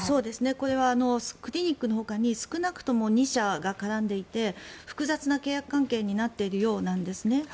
これはクリニックのほかに少なくとも２社が絡んでいて複雑な契約関係になっているようなんです。